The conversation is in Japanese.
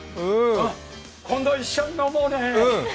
今度一緒に飲もうね。